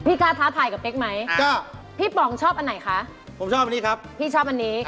พี่กล้าท้าทายกับเฟ็กไหมพี่ป๋องชอบอันไหนคะพี่ชอบอันนี้